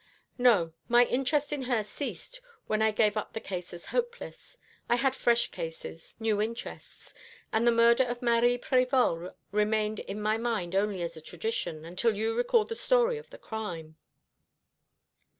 "No. My interest in her ceased when I gave up the case as hopeless. I had fresh cases new interests; and the murder of Marie Prévol remained in my mind only as a tradition, until you recalled the story of the crime."